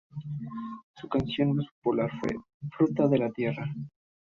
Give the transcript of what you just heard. Sus canción más popular fue "Fruto de la Tierra".